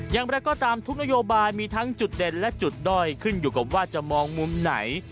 อย่างไรก็ตามทุกนโยบายมีทั้งจุดเด่นและจุดด้อยขึ้นอยู่กับว่าจะมองมุมไหน